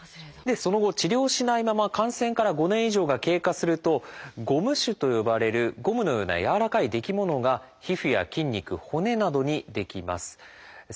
その後治療しないまま感染から５年以上が経過すると「ゴム腫」と呼ばれるゴムのような軟らかいできものが皮膚や筋肉骨などに出来ます。